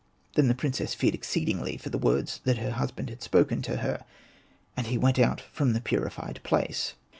Then the princess feared exceedingly for the words that her husband had spoken to her. And he went out from the purified place.